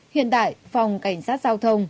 hiện tại phòng cảnh sát giao thông